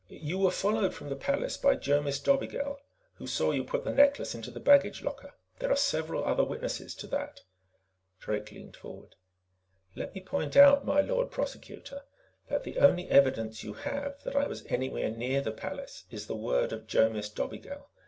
"You were followed from the palace by Jomis Dobigel, who saw you put the necklace into the baggage locker. There are several other witnesses to that." Drake leaned forward. "Let me point out, my Lord Prosecutor, that the only evidence you have that I was anywhere near the palace is the word of Jomis Dobigel.